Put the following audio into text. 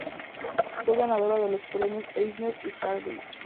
Fue ganadora de los premios Eisner y Harvey.